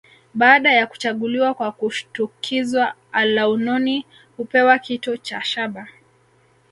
Baada ya kuchaguliwa kwa kushtukizwa alaunoni hupewa kito cha shaba